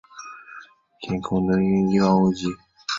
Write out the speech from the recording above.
紫花橐吾是菊科橐吾属的植物。